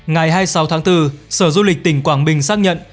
ngày hai mươi sáu tháng bốn sở du lịch tỉnh quảng bình xác nhận